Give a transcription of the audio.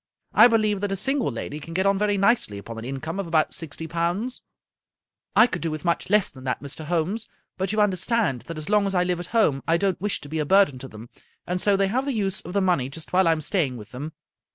I believe that a single lady can get on very nicely upon an income of about sixty pounds." " I could do with much less than that, Mr. Holmes, but you understand that as long as I live at home I don't wish to he a burden to them, and so they have the use of the money just while I am staying with them.